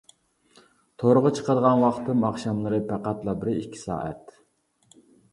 تورغا چىقىدىغان ۋاقتىم ئاخشاملىرى پەقەتلا بىر ئىككى سائەت.